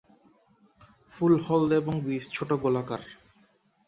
ফুল হলদে, এর বীজ ছোটো গোলাকার।